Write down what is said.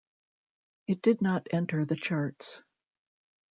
It did not enter the charts.